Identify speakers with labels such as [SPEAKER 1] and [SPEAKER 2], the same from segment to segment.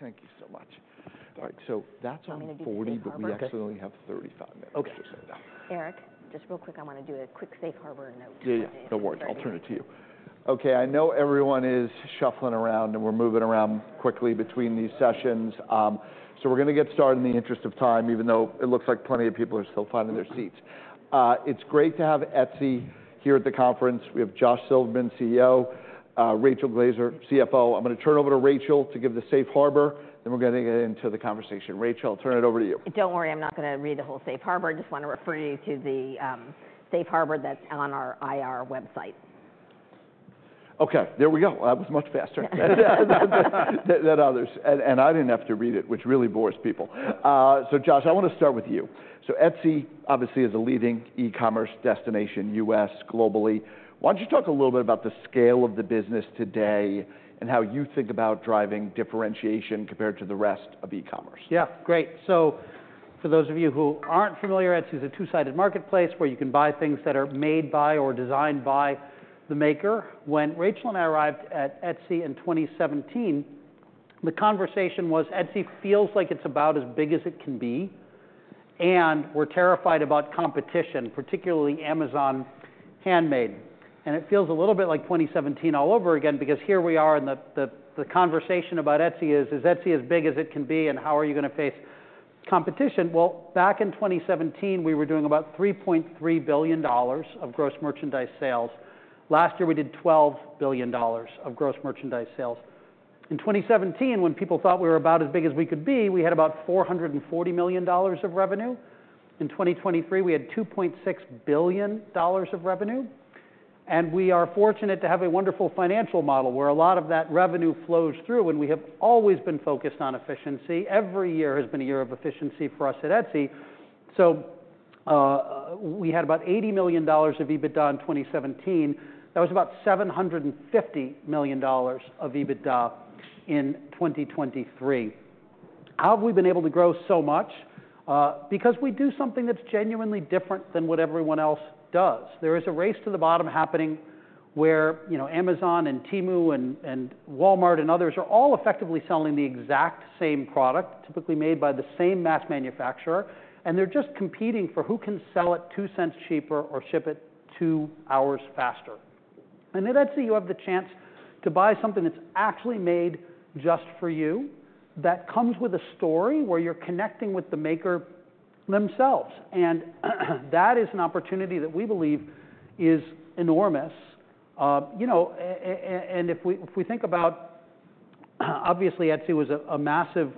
[SPEAKER 1] That's okay. Thank you so much. All right, so that's only 40.
[SPEAKER 2] I'm gonna do a Safe Harbor.
[SPEAKER 1] But we actually only have 35 minutes.
[SPEAKER 3] Okay.
[SPEAKER 2] Eric, just real quick, I wanna do a quick Safe Harbor note.
[SPEAKER 1] Yeah, yeah, no worries. I'll turn it to you. Okay, I know everyone is shuffling around, and we're moving around quickly between these sessions. So we're gonna get started in the interest of time, even though it looks like plenty of people are still finding their seats. It's great to have Etsy here at the conference. We have Josh Silverman, CEO, Rachel Glaser, CFO. I'm gonna turn it over to Rachel to give the Safe Harbor, then we're gonna get into the conversation. Rachel, I'll turn it over to you.
[SPEAKER 2] Don't worry, I'm not gonna read the whole Safe Harbor. I just wanna refer you to the Safe Harbor that's on our IR website.
[SPEAKER 1] Okay, there we go. That was much faster than others, and I didn't have to read it, which really bores people. So Josh, I wanna start with you. So Etsy obviously is a leading e-commerce destination, U.S., globally. Why don't you talk a little bit about the scale of the business today and how you think about driving differentiation compared to the rest of e-commerce?
[SPEAKER 3] Yeah, great. So for those of you who aren't familiar, Etsy is a two-sided marketplace where you can buy things that are made by or designed by the maker. When Rachel and I arrived at Etsy in 2017, the conversation was, Etsy feels like it's about as big as it can be, and we're terrified about competition, particularly Amazon Handmade. And it feels a little bit like 2017 all over again because here we are, and the conversation about Etsy is: Is Etsy as big as it can be, and how are you gonna face competition? Well, back in twenty seventeen, we were doing about $3.3 billion of gross merchandise sales. Last year, we did $12 billion of gross merchandise sales. In 2017, when people thought we were about as big as we could be, we had about $440 million of revenue. In 2023, we had $2.6 billion of revenue, and we are fortunate to have a wonderful financial model, where a lot of that revenue flows through, and we have always been focused on efficiency. Every year has been a year of efficiency for us at Etsy. So, we had about $80 million of EBITDA in 2017. That was about $750 million of EBITDA in 2023. How have we been able to grow so much? Because we do something that's genuinely different than what everyone else does. There is a race to the bottom happening where, you know, Amazon and Temu and Walmart and others are all effectively selling the exact same product, typically made by the same mass manufacturer, and they're just competing for who can sell it two cents cheaper or ship it two hours faster, and at Etsy, you have the chance to buy something that's actually made just for you that comes with a story, where you're connecting with the maker themselves, and that is an opportunity that we believe is enormous. You know, and if we think about, obviously, Etsy was a massive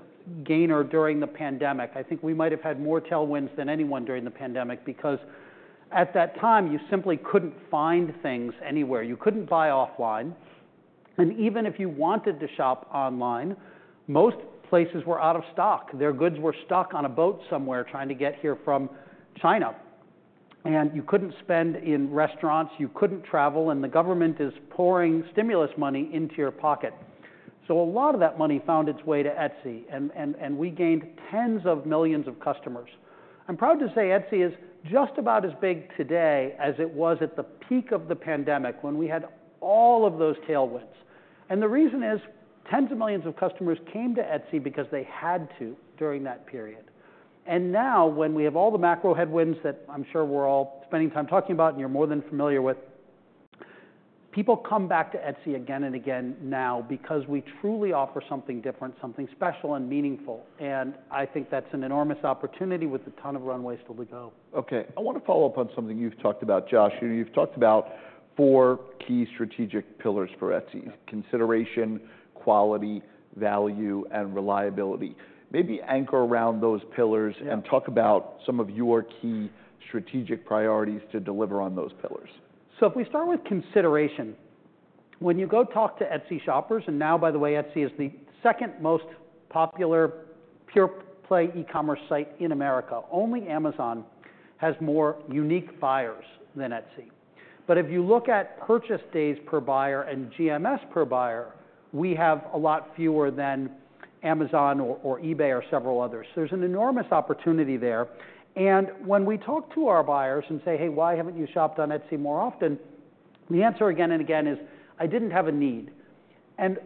[SPEAKER 3] gainer during the pandemic. I think we might have had more tailwinds than anyone during the pandemic because, at that time, you simply couldn't find things anywhere. You couldn't buy offline, and even if you wanted to shop online, most places were out of stock. Their goods were stuck on a boat somewhere, trying to get here from China, and you couldn't spend in restaurants, you couldn't travel, and the government is pouring stimulus money into your pocket. So a lot of that money found its way to Etsy, and we gained tens of millions of customers. I'm proud to say Etsy is just about as big today as it was at the peak of the pandemic when we had all of those tailwinds, and the reason is, tens of millions of customers came to Etsy because they had to during that period. And now, when we have all the macro headwinds that I'm sure we're all spending time talking about, and you're more than familiar with, people come back to Etsy again and again now because we truly offer something different, something special and meaningful, and I think that's an enormous opportunity with a ton of runway still to go.
[SPEAKER 1] Okay, I wanna follow up on something you've talked about, Josh. You've talked about four key strategic pillars for Etsy:
[SPEAKER 3] Yeah.
[SPEAKER 1] Consideration, quality, value, and reliability. Maybe anchor around those pillars.
[SPEAKER 3] Yeah
[SPEAKER 1] And talk about some of your key strategic priorities to deliver on those pillars.
[SPEAKER 3] So if we start with consideration, when you go talk to Etsy shoppers, and now, by the way, Etsy is the second most popular pure-play e-commerce site in America. Only Amazon has more unique buyers than Etsy. But if you look at purchase days per buyer and GMS per buyer, we have a lot fewer than Amazon or, or eBay or several others, so there's an enormous opportunity there. And when we talk to our buyers and say: Hey, why haven't you shopped on Etsy more often? The answer again and again is, I didn't have a need. And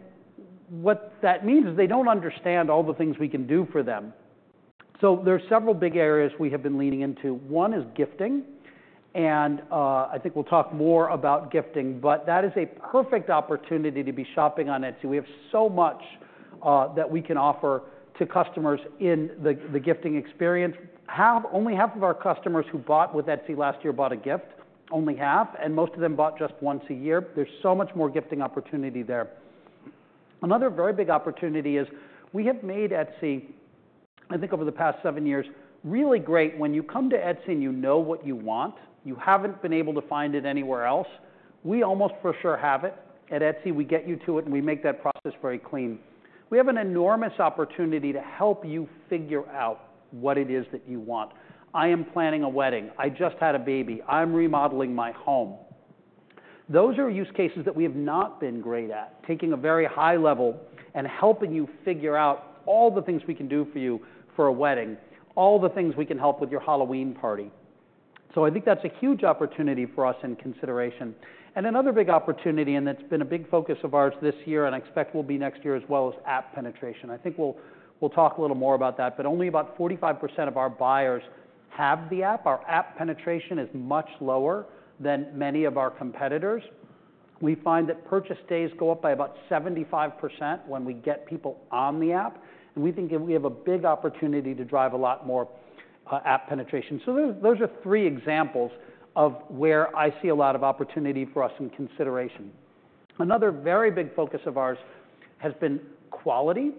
[SPEAKER 3] what that means is they don't understand all the things we can do for them. So there are several big areas we have been leaning into. One is gifting, and I think we'll talk more about gifting, but that is a perfect opportunity to be shopping on Etsy. We have so much that we can offer to customers in the gifting experience. Only half of our customers who bought with Etsy last year bought a gift, only half, and most of them bought just once a year. There's so much more gifting opportunity there. Another very big opportunity is we have made Etsy, I think, over the past seven years, really great. When you come to Etsy and you know what you want, you haven't been able to find it anywhere else, we almost for sure have it. At Etsy, we get you to it, and we make that process very clean. We have an enormous opportunity to help you figure out what it is that you want. I am planning a wedding. I just had a baby. I'm remodeling my home. Those are use cases that we have not been great at, taking a very high level and helping you figure out all the things we can do for you for a wedding, all the things we can help with your Halloween party. So I think that's a huge opportunity for us in consideration. And another big opportunity, and it's been a big focus of ours this year, and I expect will be next year as well, is app penetration. I think we'll talk a little more about that. But only about 45% of our buyers have the app. Our app penetration is much lower than many of our competitors. We find that purchase days go up by about 75% when we get people on the app, and we think that we have a big opportunity to drive a lot more app penetration. So those are three examples of where I see a lot of opportunity for us in consideration. Another very big focus of ours has been quality.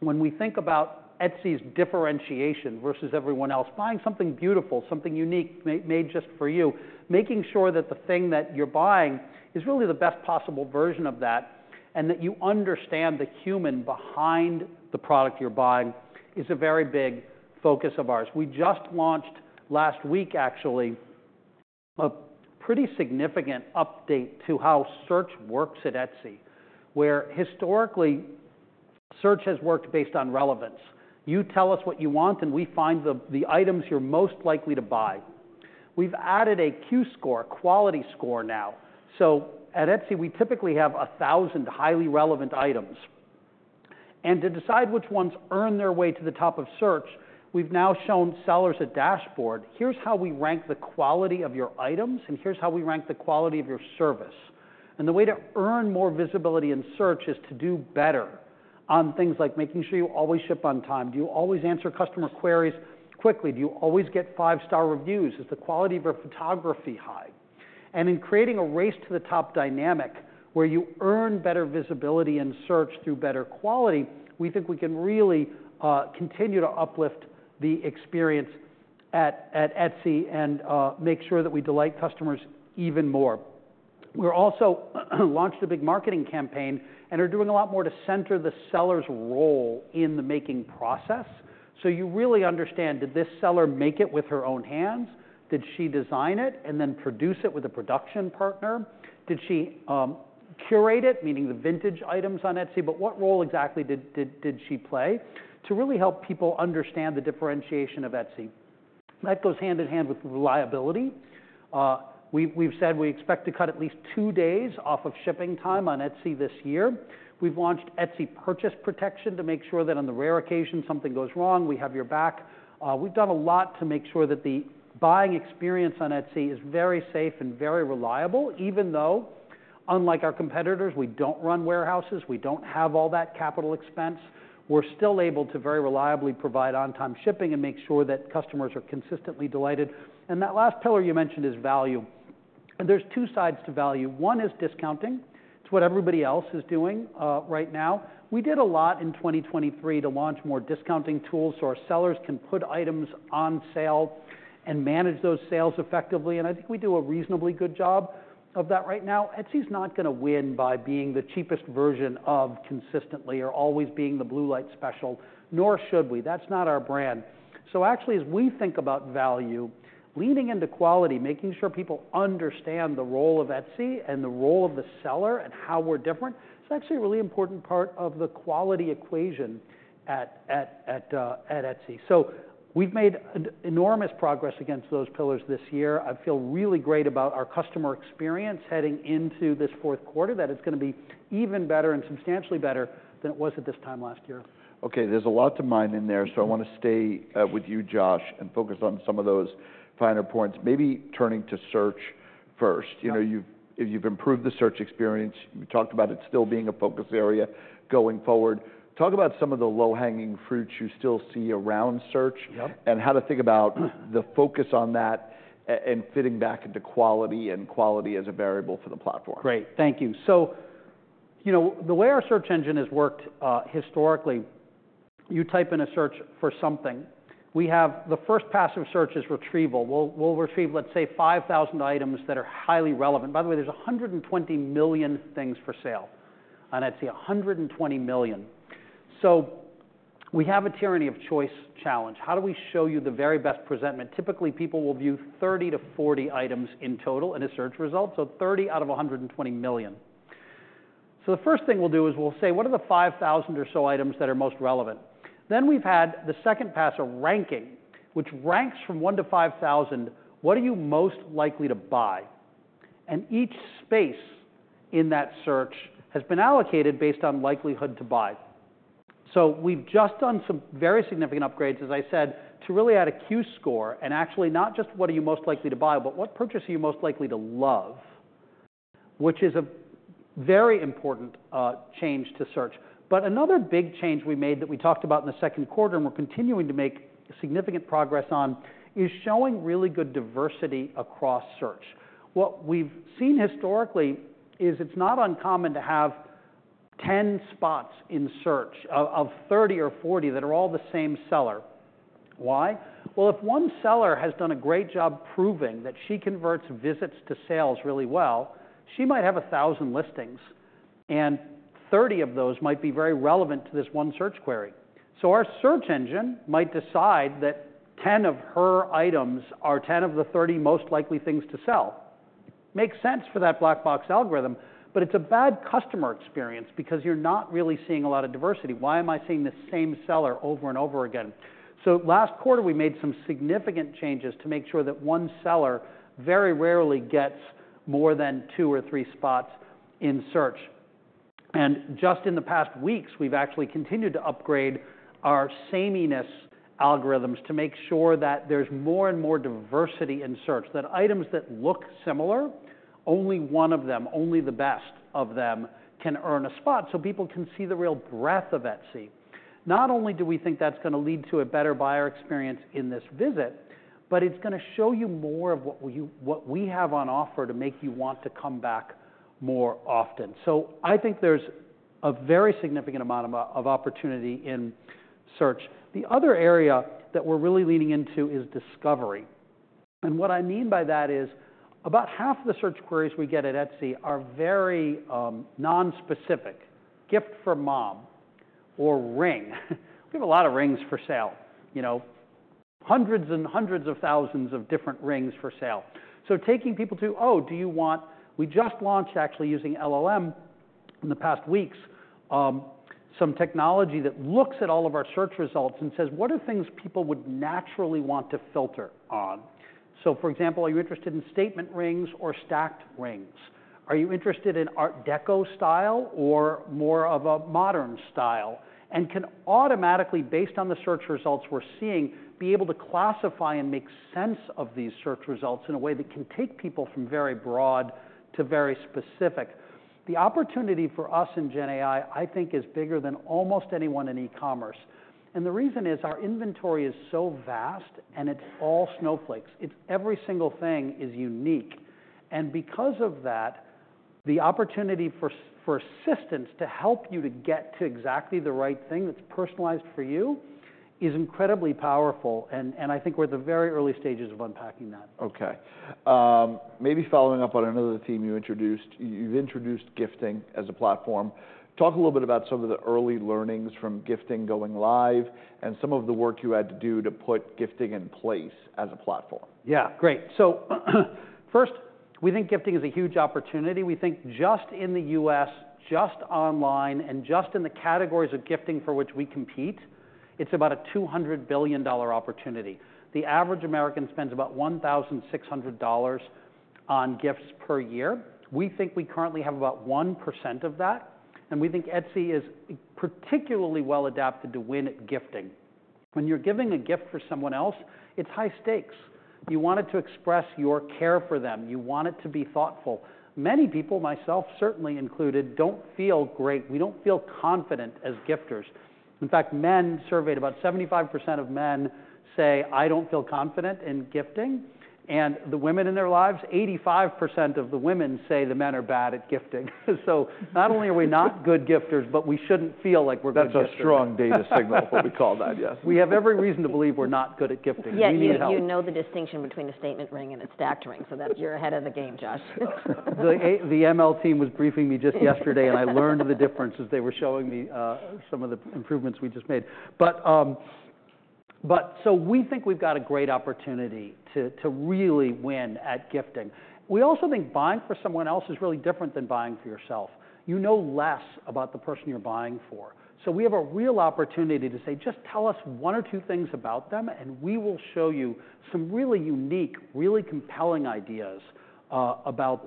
[SPEAKER 3] When we think about Etsy's differentiation versus everyone else, buying something beautiful, something unique, made just for you, making sure that the thing that you're buying is really the best possible version of that, and that you understand the human behind the product you're buying, is a very big focus of ours. We just launched, last week actually, a pretty significant update to how search works at Etsy, where historically, search has worked based on relevance. You tell us what you want, and we find the items you're most likely to buy. We've added a Q Score, quality score, now. So at Etsy, we typically have a thousand highly relevant items, and to decide which ones earn their way to the top of search, we've now shown sellers a dashboard. Here's how we rank the quality of your items, and here's how we rank the quality of your service. And the way to earn more visibility in search is to do better on things like making sure you always ship on time. Do you always answer customer queries quickly? Do you always get five-star reviews? Is the quality of your photography high? And in creating a race to the top dynamic, where you earn better visibility and search through better quality, we think we can really continue to uplift the experience at Etsy and make sure that we delight customers even more. We're also launched a big marketing campaign and are doing a lot more to center the seller's role in the making process. So you really understand, did this seller make it with her own hands? Did she design it and then produce it with a production partner? Did she curate it, meaning the vintage items on Etsy, but what role exactly did she play? To really help people understand the differentiation of Etsy. That goes hand in hand with reliability. We've said we expect to cut at least two days off of shipping time on Etsy this year. We've launched Etsy Purchase Protection to make sure that on the rare occasion, something goes wrong, we have your back. We've done a lot to make sure that the buying experience on Etsy is very safe and very reliable, even though, unlike our competitors, we don't run warehouses, we don't have all that capital expense. We're still able to very reliably provide on-time shipping and make sure that customers are consistently delighted. That last pillar you mentioned is value. There's two sides to value. One is discounting. It's what everybody else is doing, right now. We did a lot in 2023 to launch more discounting tools so our sellers can put items on sale and manage those sales effectively, and I think we do a reasonably good job of that right now. Etsy's not gonna win by being the cheapest version of consistently or always being the Blue Light Special, nor should we. That's not our brand. So actually, as we think about value, leaning into quality, making sure people understand the role of Etsy and the role of the seller and how we're different, it's actually a really important part of the quality equation at Etsy. So we've made an enormous progress against those pillars this year. I feel really great about our customer experience heading into this fourth quarter, that it's gonna be even better and substantially better than it was at this time last year.
[SPEAKER 1] Okay, there's a lot to mine in there, so I want to stay with you, Josh, and focus on some of those finer points. Maybe turning to search first.
[SPEAKER 3] Yeah.
[SPEAKER 1] You know, you've improved the search experience. We talked about it still being a focus area going forward. Talk about some of the low-hanging fruits you still see around search.
[SPEAKER 3] Yep.
[SPEAKER 1] And how to think about the focus on that and fitting back into quality, and quality as a variable for the platform.
[SPEAKER 3] Great. Thank you. So, you know, the way our search engine has worked historically, you type in a search for something. We have the first pass of search is retrieval. We'll retrieve, let's say, 5,000 items that are highly relevant. By the way, there's a 120 million things for sale on Etsy, 120 million. So we have a tyranny of choice challenge. How do we show you the very best presentment? Typically, people will view 30 to 40 items in total in a search result, so 30 out of a 120 million. So the first thing we'll do is we'll say: What are the 5,000 items or so items that are most relevant? Then we've had the second pass of ranking, which ranks from one to 5,000. What are you most likely to buy? Each space in that search has been allocated based on likelihood to buy. So we've just done some very significant upgrades, as I said, to really add a Q Score and actually, not just what are you most likely to buy, but what purchase are you most likely to love? Which is a very important change to search. But another big change we made that we talked about in the second quarter, and we're continuing to make significant progress on, is showing really good diversity across search. What we've seen historically is it's not uncommon to have 10 spots in search of 30 or 40 that are all the same seller. Why? If one seller has done a great job proving that she converts visits to sales really well, she might have 1,000 listings, and 30 of those might be very relevant to this one search query. So our search engine might decide that ten of her items are 10 of the 30 most likely things to sell. Makes sense for that black box algorithm, but it's a bad customer experience because you're not really seeing a lot of diversity. Why am I seeing the same seller over and over again? So last quarter, we made some significant changes to make sure that one seller very rarely gets more than two or three spots in search. Just in the past weeks, we've actually continued to upgrade our sameness algorithms to make sure that there's more and more diversity in search, that items that look similar, only one of them, only the best of them, can earn a spot, so people can see the real breadth of Etsy. Not only do we think that's gonna lead to a better buyer experience in this visit, but it's gonna show you more of what we have on offer to make you want to come back more often. So I think there's a very significant amount of opportunity in search. The other area that we're really leaning into is discovery, and what I mean by that is, about half of the search queries we get at Etsy are very nonspecific, gift for mom or ring. We have a lot of rings for sale, you know, hundreds and hundreds of thousands of different rings for sale. So taking people to, oh, do you want, we just launched, actually, using LLM in the past weeks, some technology that looks at all of our search results and says, what are things people would naturally want to filter on? So, for example, are you interested in statement rings or stacked rings? Are you interested in Art Deco style or more of a modern style? And can automatically, based on the search results we're seeing, be able to classify and make sense of these search results in a way that can take people from very broad to very specific. The opportunity for us in GenAI, I think, is bigger than almost anyone in e-commerce, and the reason is our inventory is so vast, and it's all snowflakes. It's every single thing is unique, and because of that, the opportunity for assistance to help you get to exactly the right thing that's personalized for you is incredibly powerful, and I think we're at the very early stages of unpacking that.
[SPEAKER 1] Okay. Maybe following up on another theme you introduced. You've introduced gifting as a platform. Talk a little bit about some of the early learnings from gifting going live and some of the work you had to do to put gifting in place as a platform.
[SPEAKER 3] Yeah, great. So, first, we think gifting is a huge opportunity. We think just in the U.S., just online, and just in the categories of gifting for which we compete, it's about a $200 billion opportunity. The average American spends about $1,600 on gifts per year. We think we currently have about 1% of that, and we think Etsy is particularly well adapted to win at gifting. When you're giving a gift for someone else, it's high stakes. You want it to express your care for them. You want it to be thoughtful. Many people, myself certainly included, don't feel great. We don't feel confident as gifters. In fact, men surveyed, about 75% of men say, I don't feel confident in gifting, and the women in their lives, 85% of the women say the men are bad at gifting. So not only are we not good gifters, but we shouldn't feel like we're good gifters.
[SPEAKER 1] That's a strong data signal, is what we call that, yes.
[SPEAKER 3] We have every reason to believe we're not good at gifting. We need help.
[SPEAKER 2] Yeah, you know the distinction between a statement ring and a stacked ring, so that you're ahead of the game, Josh.
[SPEAKER 3] The ML team was briefing me just yesterday, and I learned the differences. They were showing me some of the improvements we just made. But so we think we've got a great opportunity to really win at gifting. We also think buying for someone else is really different than buying for yourself. You know less about the person you're buying for, so we have a real opportunity to say, just tell us one or two things about them, and we will show you some really unique, really compelling ideas about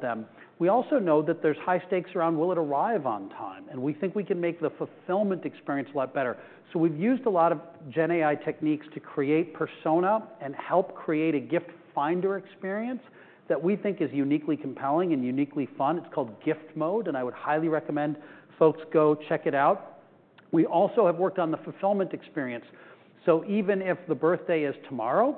[SPEAKER 3] them. We also know that there's high stakes around will it arrive on time, and we think we can make the fulfillment experience a lot better, so we've used a lot of GenAI techniques to create persona and help create a gift finder experience that we think is uniquely compelling and uniquely fun. It's called Gift Mode, and I would highly recommend folks go check it out. We also have worked on the fulfillment experience, so even if the birthday is tomorrow,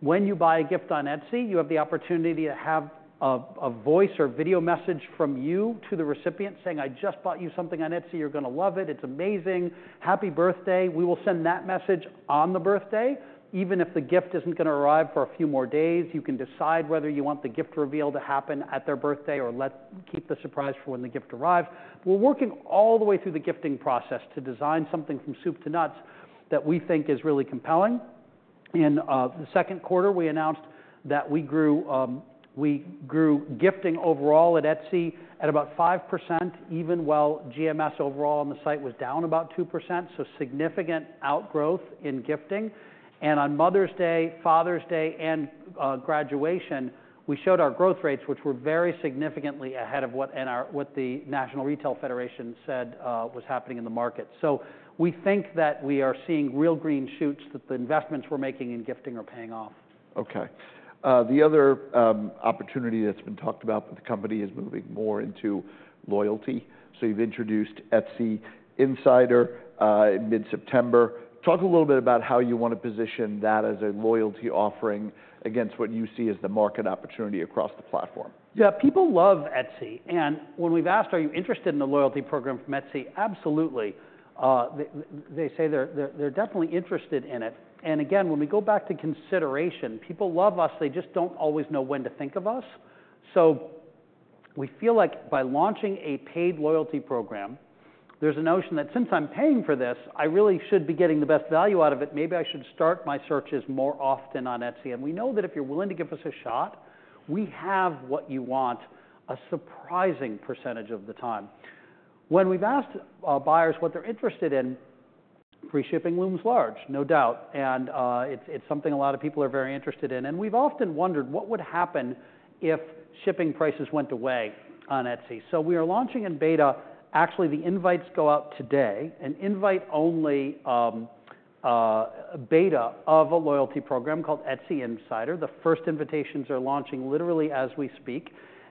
[SPEAKER 3] when you buy a gift on Etsy, you have the opportunity to have a voice or video message from you to the recipient saying, I just bought you something on Etsy. You're gonna love it. It's amazing. Happy birthday. We will send that message on the birthday, even if the gift isn't gonna arrive for a few more days. You can decide whether you want the gift reveal to happen at their birthday or let keep the surprise for when the gift arrives. We're working all the way through the gifting process to design something from soup to nuts that we think is really compelling. In the second quarter, we announced that we grew gifting overall at Etsy at about 5%, even while GMS overall on the site was down about 2%, so significant outgrowth in gifting. On Mother's Day, Father's Day, and graduation, we showed our growth rates, which were very significantly ahead of what the National Retail Federation said was happening in the market. We think that we are seeing real green shoots, that the investments we're making in gifting are paying off.
[SPEAKER 1] Okay. The other opportunity that's been talked about with the company is moving more into loyalty. So you've introduced Etsy Insider in mid-September. Talk a little bit about how you want to position that as a loyalty offering against what you see as the market opportunity across the platform.
[SPEAKER 3] Yeah, people love Etsy, and when we've asked. Are you interested in a loyalty program from Etsy? Absolutely. They say they're definitely interested in it. And again, when we go back to consideration, people love us. They just don't always know when to think of us. So we feel like by launching a paid loyalty program, there's a notion that since I'm paying for this, I really should be getting the best value out of it. Maybe I should start my searches more often on Etsy, and we know that if you're willing to give us a shot, we have what you want, a surprising percentage of the time. When we've asked buyers what they're interested in, free shipping looms large, no doubt, and it's something a lot of people are very interested in. We've often wondered what would happen if shipping prices went away on Etsy. We are launching in beta. Actually, the invites go out today, an invite-only beta of a loyalty program called Etsy Insider. The first invitations are launching literally as we speak,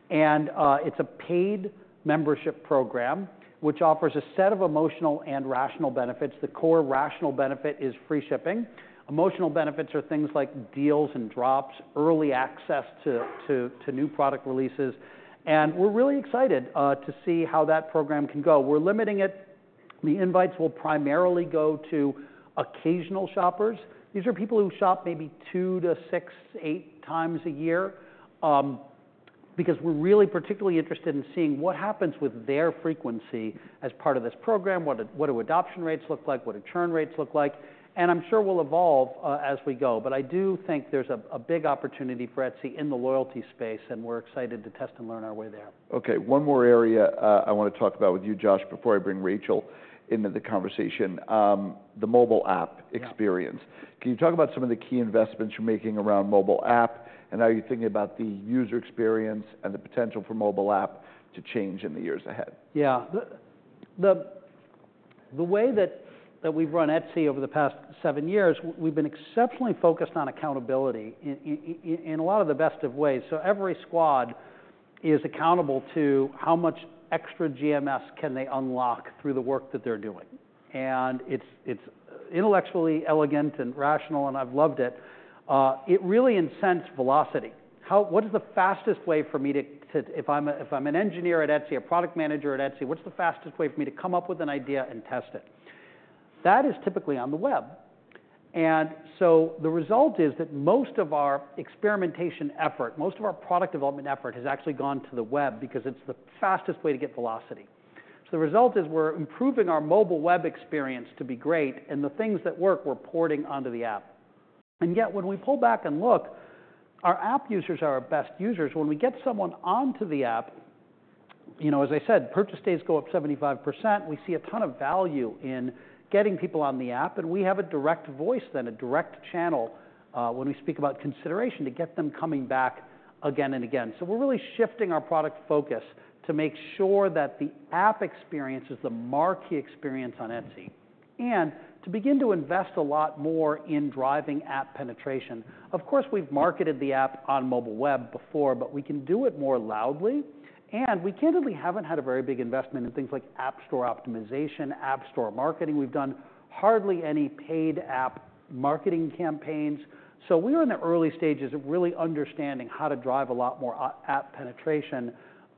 [SPEAKER 3] and it's a paid membership program, which offers a set of emotional and rational benefits. The core rational benefit is free shipping. Emotional benefits are things like deals and drops, early access to new product releases, and we're really excited to see how that program can go. We're limiting it. The invites will primarily go to occasional shoppers. These are people who shop maybe two to six, eight times a year, because we're really particularly interested in seeing what happens with their frequency as part of this program. What do adoption rates look like? What do churn rates look like? And I'm sure we'll evolve as we go, but I do think there's a big opportunity for Etsy in the loyalty space, and we're excited to test and learn our way there.
[SPEAKER 1] Okay, one more area, I want to talk about with you, Josh, before I bring Rachel into the conversation, the mobile app experience.
[SPEAKER 3] Yeah.
[SPEAKER 1] Can you talk about some of the key investments you're making around mobile app, and how you're thinking about the user experience and the potential for mobile app to change in the years ahead?
[SPEAKER 3] Yeah. The way that we've run Etsy over the past 7 years, we've been exceptionally focused on accountability in a lot of the best of ways. So every squad is accountable to how much extra GMS can they unlock through the work that they're doing. And it's intellectually elegant and rational, and I've loved it. It really incentivized velocity. If I'm an engineer at Etsy, a product manager at Etsy, what's the fastest way for me to come up with an idea and test it? That is typically on the web. And so the result is that most of our experimentation effort, most of our product development effort, has actually gone to the web because it's the fastest way to get velocity. So the result is we're improving our mobile web experience to be great, and the things that work, we're porting onto the app. And yet, when we pull back and look, our app users are our best users. When we get someone onto the app, you know, as I said, purchase days go up 75%. We see a ton of value in getting people on the app, and we have a direct voice then, a direct channel, when we speak about consideration, to get them coming back again and again. So we're really shifting our product focus to make sure that the app experience is the marquee experience on Etsy, and to begin to invest a lot more in driving app penetration. Of course, we've marketed the app on mobile web before, but we can do it more loudly, and we candidly haven't had a very big investment in things like app store optimization, app store marketing. We've done hardly any paid app marketing campaigns. So we're in the early stages of really understanding how to drive a lot more app penetration,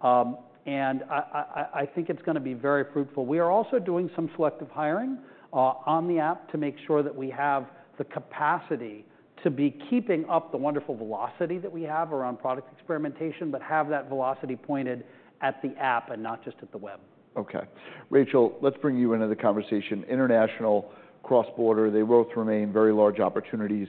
[SPEAKER 3] and I think it's gonna be very fruitful. We are also doing some selective hiring on the app to make sure that we have the capacity to be keeping up the wonderful velocity that we have around product experimentation, but have that velocity pointed at the app and not just at the web.
[SPEAKER 1] Okay. Rachel, let's bring you into the conversation. International, cross-border, they both remain very large opportunities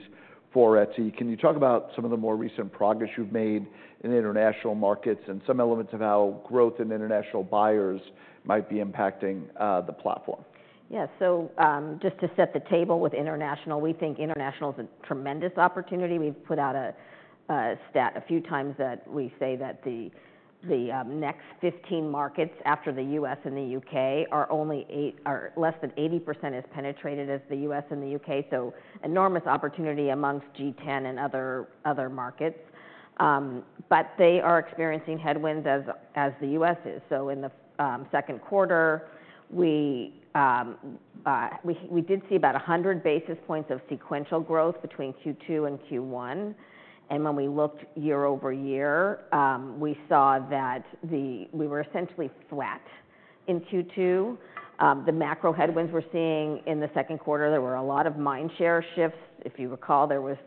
[SPEAKER 1] for Etsy. Can you talk about some of the more recent progress you've made in the international markets and some elements of how growth in international buyers might be impacting the platform?
[SPEAKER 2] Yeah. So, just to set the table with international, we think international is a tremendous opportunity. We've put out a stat a few times that we say that the next 15 markets after the U.S. and the U.K. are only eight- are less than 80% as penetrated as the U.S. and the U.K., so enormous opportunity amongst G10 and other markets. But they are experiencing headwinds as the U.S. is. So in the second quarter, we did see about a hundred basis points of sequential growth between Q2 and Q1, and when we looked year over year, we saw that the, we were essentially flat. In Q2, the macro headwinds we're seeing in the second quarter, there were a lot of mind share shifts. If you recall, there was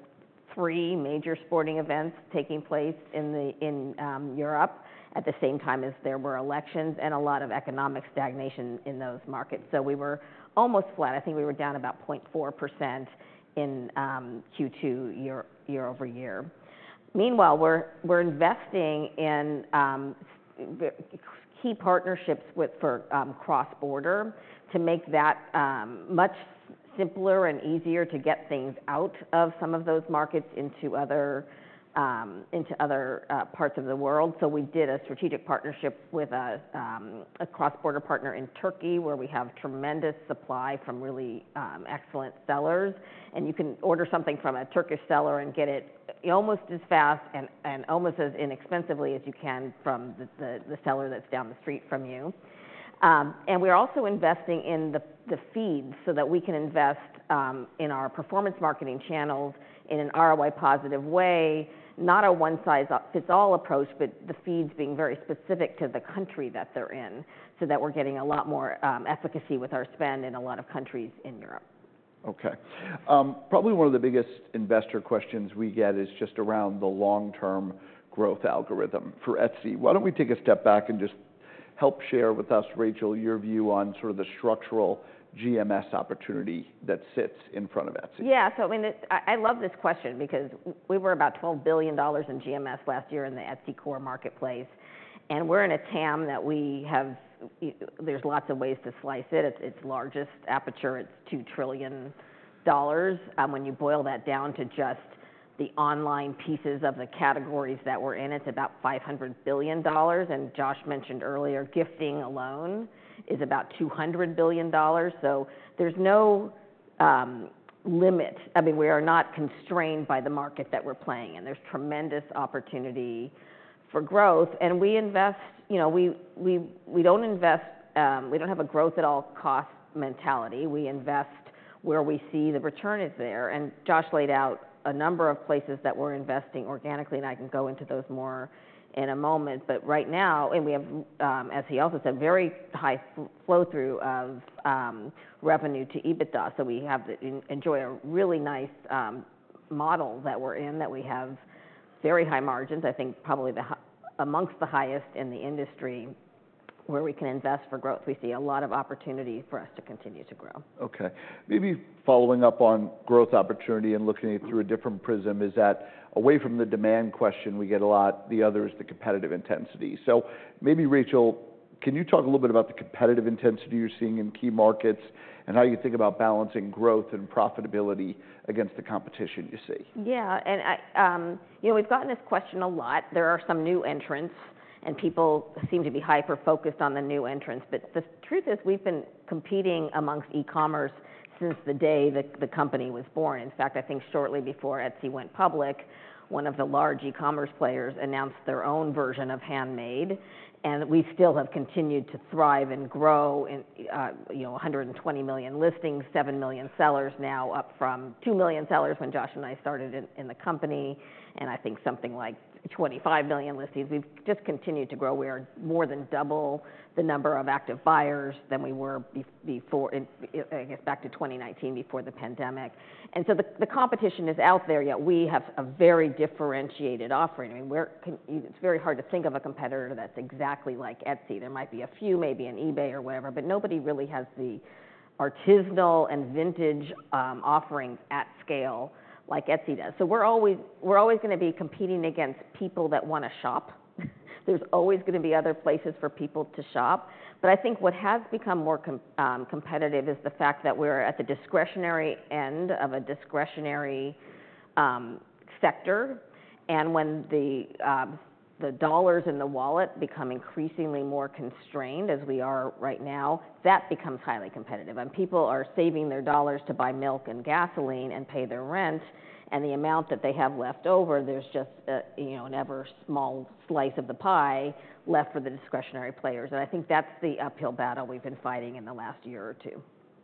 [SPEAKER 2] three major sporting events taking place in Europe at the same time as there were elections and a lot of economic stagnation in those markets. So we were almost flat. I think we were down about 0.4% in Q2 year over year. Meanwhile, we're investing in the key partnerships for cross-border to make that much simpler and easier to get things out of some of those markets into other parts of the world. So we did a strategic partnership with a cross-border partner in Turkey, where we have tremendous supply from really excellent sellers, and you can order something from a Turkish seller and get it almost as fast and almost as inexpensively as you can from the seller that's down the street from you. And we're also investing in the feeds so that we can invest in our performance marketing channels in an ROI-positive way, not a one-size-fits-all approach, but the feeds being very specific to the country that they're in, so that we're getting a lot more efficacy with our spend in a lot of countries in Europe.
[SPEAKER 1] Okay. Probably one of the biggest investor questions we get is just around the long-term growth algorithm for Etsy. Why don't we take a step back and just help share with us, Rachel, your view on sort of the structural GMS opportunity that sits in front of Etsy?
[SPEAKER 2] Yeah, so, I mean, I love this question because we were about $12 billion in GMS last year in the Etsy core marketplace, and we're in a TAM that we have, there's lots of ways to slice it. At its largest aperture, it's $2 trillion. When you boil that down to just the online pieces of the categories that we're in, it's about $500 billion, and Josh mentioned earlier, gifting alone is about $200 billion. So there's no limit. I mean, we are not constrained by the market that we're playing in. There's tremendous opportunity for growth, and you know, we don't invest, we don't have a growth at all cost mentality. We invest where we see the return is there, and Josh laid out a number of places that we're investing organically, and I can go into those more in a moment. But right now, and we have, as he also said, very high flow-through of revenue to EBITDA, so we have and enjoy a really nice model that we're in, that we have very high margins, I think probably among the highest in the industry, where we can invest for growth. We see a lot of opportunity for us to continue to grow.
[SPEAKER 1] Okay. Maybe following up on growth opportunity and looking at it through a different prism, is that away from the demand question we get a lot, the other is the competitive intensity, so maybe, Rachel, can you talk a little bit about the competitive intensity you're seeing in key markets, and how you think about balancing growth and profitability against the competition you see?
[SPEAKER 2] Yeah, and I, you know, we've gotten this question a lot. There are some new entrants, and people seem to be hyper-focused on the new entrants. But the truth is, we've been competing amongst e-commerce since the day the company was born. In fact, I think shortly before Etsy went public, one of the large e-commerce players announced their own version of handmade, and we still have continued to thrive and grow in, you know, 120 million listings, 7 million sellers now, up from 2 million sellers when Josh and I started in the company, and I think something like 25 million listings. We've just continued to grow. We are more than double the number of active buyers than we were before in, I guess, back to 2019, before the pandemic. The competition is out there, yet we have a very differentiated offering. I mean, it's very hard to think of a competitor that's exactly like Etsy. There might be a few, maybe an eBay or whatever, but nobody really has the artisanal and vintage offerings at scale like Etsy does. So we're always gonna be competing against people that wanna shop. There's always gonna be other places for people to shop. But I think what has become more competitive is the fact that we're at the discretionary end of a discretionary sector, and when the dollars in the wallet become increasingly more constrained, as we are right now, that becomes highly competitive. When people are saving their dollars to buy milk and gasoline and pay their rent, and the amount that they have left over, there's just a, you know, an ever-smaller slice of the pie left for the discretionary players, and I think that's the uphill battle we've been fighting in the last year or two.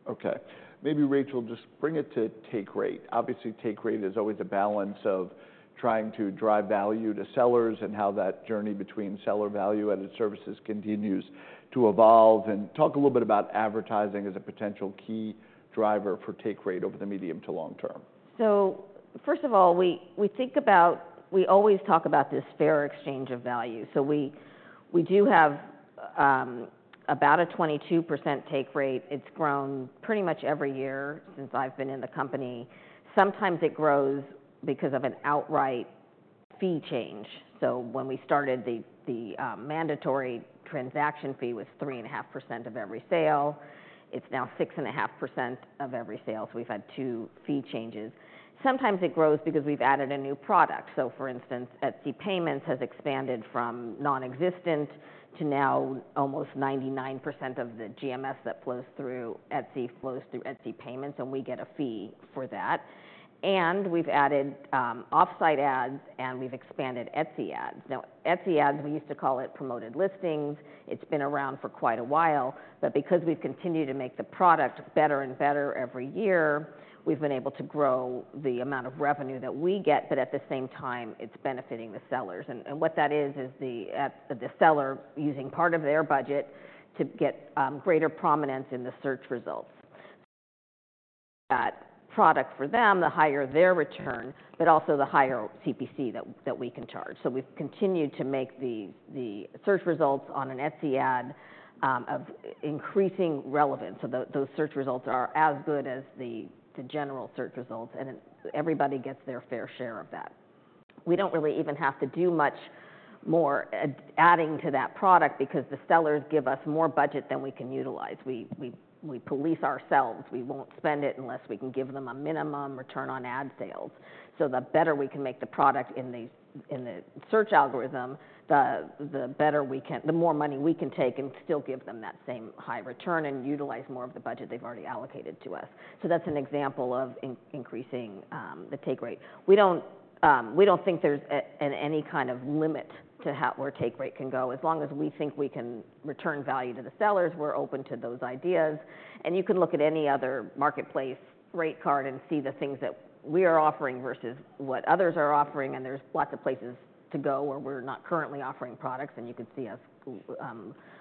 [SPEAKER 1] Okay. Maybe, Rachel, just bring it to take rate. Obviously, take rate is always a balance of trying to drive value to sellers and how that journey between seller value and the services continues to evolve, and talk a little bit about advertising as a potential key driver for take rate over the medium to long term.
[SPEAKER 2] So first of all, we always talk about this fair exchange of value. We do have about a 22% take rate. It's grown pretty much every year since I've been in the company. Sometimes it grows because of an outright fee change. When we started, the mandatory transaction fee was 3.5% of every sale. It's now 6.5% of every sale, so we've had two fee changes. Sometimes it grows because we've added a new product. For instance, Etsy Payments has expanded from non-existent to now almost 99% of the GMS that flows through Etsy flows through Etsy Payments, and we get a fee for that. We've added Offsite Ads, and we've expanded Etsy Ads. Now, Etsy Ads, we used to call it Promoted Listings. It's been around for quite a while, but because we've continued to make the product better and better every year, we've been able to grow the amount of revenue that we get, but at the same time, it's benefiting the sellers. And what that is is the seller using part of their budget to get greater prominence in the search results. The better that product for them, the higher their return, but also the higher CPC that we can charge. So we've continued to make the search results on an Etsy ad of increasing relevance. So those search results are as good as the general search results, and everybody gets their fair share of that. We don't really even have to do much more adding to that product because the sellers give us more budget than we can utilize. We police ourselves. We won't spend it unless we can give them a minimum return on ad sales. So the better we can make the product in the search algorithm, the more money we can take and still give them that same high return and utilize more of the budget they've already allocated to us. So that's an example of increasing the take rate. We don't think there's any kind of limit to how or where take rate can go. As long as we think we can return value to the sellers, we're open to those ideas. And you can look at any other marketplace rate card and see the things that we are offering versus what others are offering, and there's lots of places to go where we're not currently offering products, and you could see us,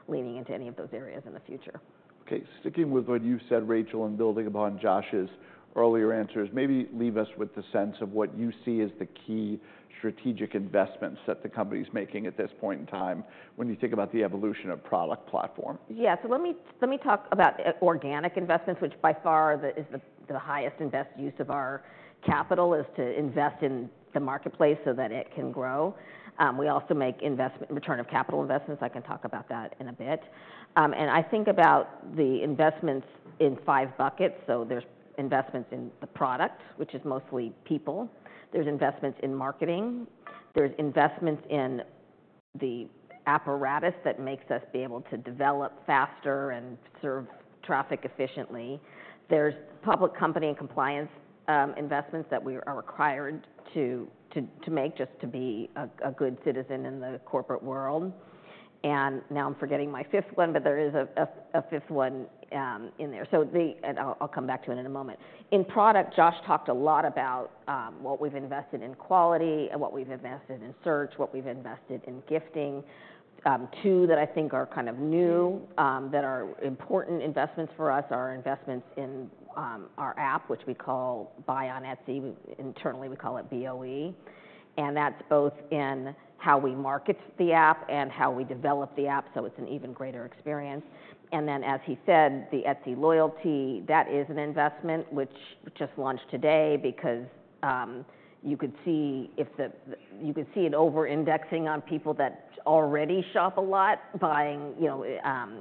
[SPEAKER 2] leaning into any of those areas in the future.
[SPEAKER 1] Okay, sticking with what you said, Rachel, and building upon Josh's earlier answers, maybe leave us with the sense of what you see as the key strategic investments that the company's making at this point in time when you think about the evolution of product platform.
[SPEAKER 2] Yeah, so let me talk about organic investments, which by far is the highest and best use of our capital, is to invest in the marketplace so that it can grow. We also make return of capital investments. I can talk about that in a bit. And I think about the investments in five buckets. So there's investments in the product, which is mostly people. There's investments in marketing, there's investments in the apparatus that makes us be able to develop faster and serve traffic efficiently. There's public company and compliance investments that we are required to make just to be a good citizen in the corporate world. And now I'm forgetting my 5th one, but there is a 5th one in there. And I'll come back to it in a moment. In product, Josh talked a lot about what we've invested in quality and what we've invested in search, what we've invested in gifting. Two that I think are kind of new that are important investments for us are investments in our app, which we call Buy on Etsy. Internally, we call it BoE, and that's both in how we market the app and how we develop the app, so it's an even greater experience. And then, as he said, the Etsy loyalty, that is an investment which just launched today because you could see it over-indexing on people that already shop a lot, buying, you know,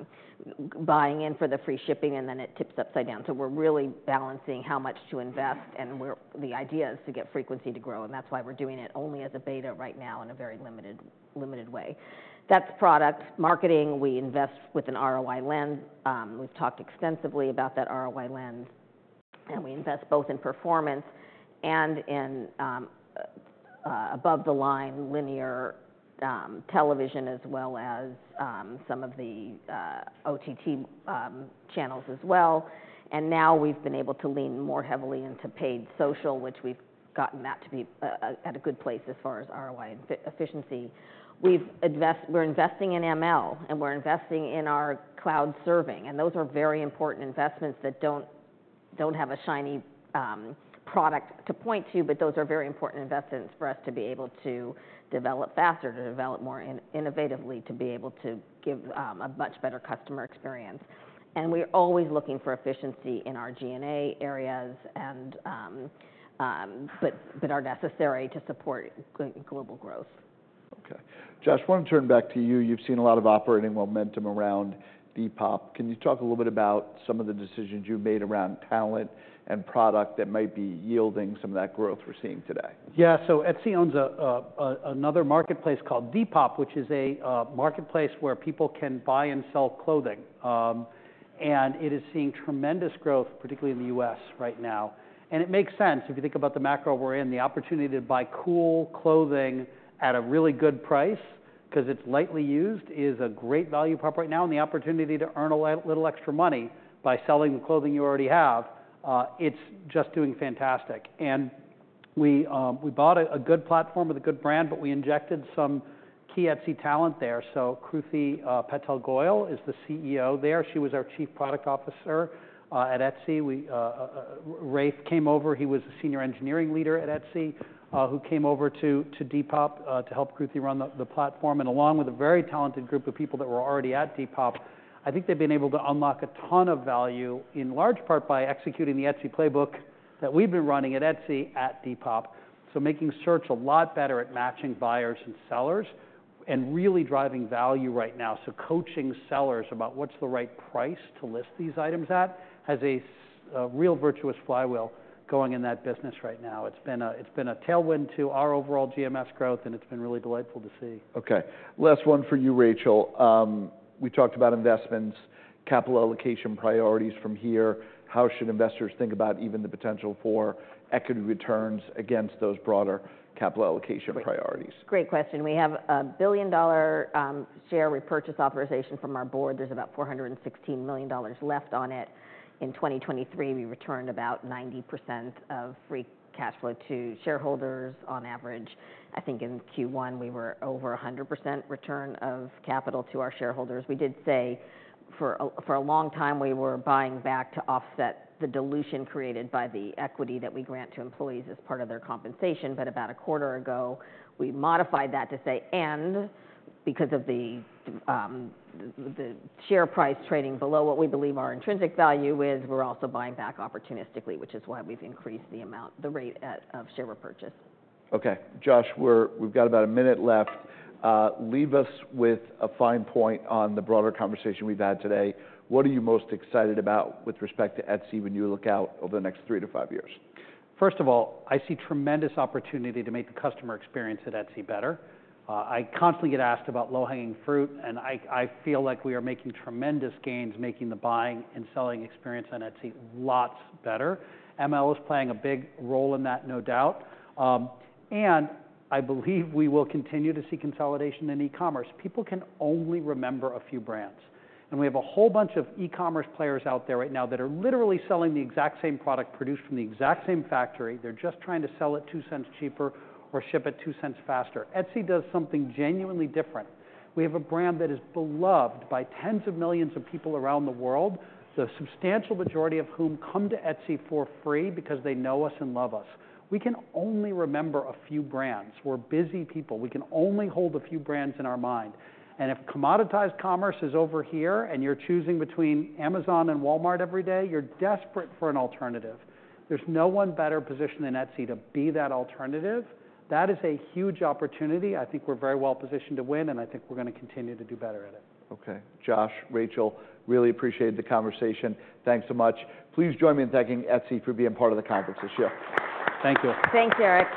[SPEAKER 2] buying in for the free shipping, and then it tips upside down. So we're really balancing how much to invest, and the idea is to get frequency to grow, and that's why we're doing it only as a beta right now in a very limited way. That's product. Marketing, we invest with an ROI lens. We've talked extensively about that ROI lens, and we invest both in performance and in above-the-line linear television, as well as some of the OTT channels as well. And now we've been able to lean more heavily into paid social, which we've gotten that to be at a good place as far as ROI and efficiency. We're investing in ML, and we're investing in our cloud serving, and those are very important investments that don't have a shiny product to point to, but those are very important investments for us to be able to develop faster, to develop more innovatively, to be able to give a much better customer experience. We're always looking for efficiency in our G&A areas, but are necessary to support global growth.
[SPEAKER 1] Okay. Josh, I want to turn back to you. You've seen a lot of operating momentum around Depop. Can you talk a little bit about some of the decisions you've made around talent and product that might be yielding some of that growth we're seeing today?
[SPEAKER 3] Yeah. So Etsy owns another marketplace called Depop, which is a marketplace where people can buy and sell clothing. And it is seeing tremendous growth, particularly in the U.S. right now. And it makes sense if you think about the macro we're in, the opportunity to buy cool clothing at a really good price, 'cause it's lightly used, is a great value prop right now. And the opportunity to earn a little extra money by selling the clothing you already have, it's just doing fantastic. And we bought a good platform with a good brand, but we injected some key Etsy talent there. So Kruti Patel Goyal is the CEO there. She was our chief product officer at Etsy. Rafe came over. He was a senior engineering leader at Etsy, who came over to Depop to help Kruti run the platform. Along with a very talented group of people that were already at Depop, I think they've been able to unlock a ton of value, in large part by executing the Etsy playbook that we've been running at Etsy at Depop. So making search a lot better at matching buyers and sellers and really driving value right now. So coaching sellers about what's the right price to list these items at has a real virtuous flywheel going in that business right now. It's been a tailwind to our overall GMS growth, and it's been really delightful to see.
[SPEAKER 1] Okay, last one for you, Rachel. We talked about investments, capital allocation priorities from here. How should investors think about even the potential for equity returns against those broader capital allocation priorities?
[SPEAKER 2] Great question. We have a $1 billion share repurchase authorization from our board. There's about $416 million left on it. In 2023, we returned about 90% of free cash flow to shareholders on average. I think in Q1, we were over 100% return of capital to our shareholders. We did say for a long time, we were buying back to offset the dilution created by the equity that we grant to employees as part of their compensation. But about a quarter ago, we modified that to say, and because of the share price trading below what we believe our intrinsic value is, we're also buying back opportunistically, which is why we've increased the amount, the rate of share repurchase.
[SPEAKER 1] Okay, Josh, we've got about a minute left. Leave us with a fine point on the broader conversation we've had today. What are you most excited about with respect to Etsy when you look out over the next three to five years?
[SPEAKER 3] First of all, I see tremendous opportunity to make the customer experience at Etsy better. I constantly get asked about low-hanging fruit, and I feel like we are making tremendous gains, making the buying and selling experience on Etsy lots better. ML is playing a big role in that, no doubt, and I believe we will continue to see consolidation in e-commerce. People can only remember a few brands, and we have a whole bunch of e-commerce players out there right now that are literally selling the exact same product produced from the exact same factory. They're just trying to sell it 2 cents cheaper or ship it 2 cents faster. Etsy does something genuinely different. We have a brand that is beloved by tens of millions of people around the world, the substantial majority of whom come to Etsy for free because they know us and love us. We can only remember a few brands. We're busy people. We can only hold a few brands in our mind, and if commoditized commerce is over here, and you're choosing between Amazon and Walmart every day, you're desperate for an alternative. There's no one better positioned than Etsy to be that alternative. That is a huge opportunity. I think we're very well positioned to win, and I think we're gonna continue to do better at it.
[SPEAKER 1] Okay, Josh, Rachel, really appreciate the conversation. Thanks so much. Please join me in thanking Etsy for being part of the conference this year.
[SPEAKER 3] Thank you.
[SPEAKER 2] Thanks, Eric.